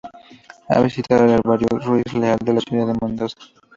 Ha visitado el "Herbario Ruiz Leal", de la ciudad de Mendoza.